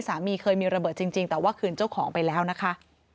สามีเคยมีระเบิดจริงแต่ว่าคืนเจ้าของไปแล้วนะคะ